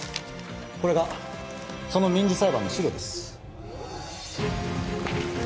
これがその民事裁判の資料です